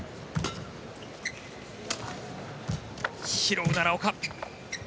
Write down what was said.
拾う奈良岡。